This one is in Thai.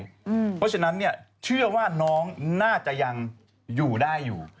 เพราะฉะนั้นเชื่อว่าน้องน่าจะยังอยู่ได้อยู่